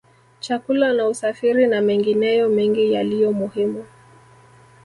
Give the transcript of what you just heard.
Chakula na usafiri na mengineyo mengi yaliyo muhimu